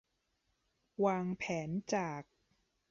วางแผนจาก